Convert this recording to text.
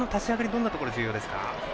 どんなところが重要ですか。